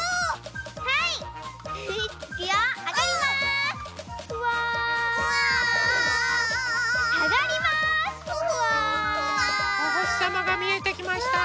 おほしさまがみえてきました。